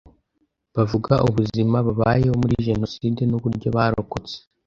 bavuga ubuzima babayeho muri Jenoside n’uburyo barokotse